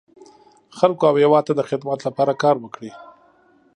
خلکو او هېواد ته د خدمت لپاره کار وکړي.